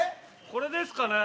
これですかね？